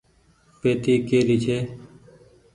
پيتي ڪيري ڇي۔